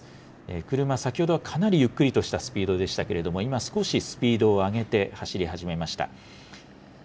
車、先ほどはかなりゆっくりとしたスピードでしたけれども、今、少しスピードを上げて走り始めました。